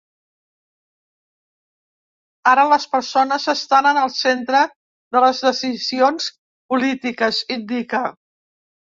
“Ara les persones estan en el centre de les decisions polítiques”, indica.